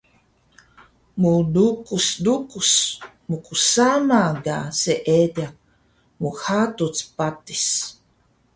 Mlukus lukus mgsama ka seediq mhaduc patis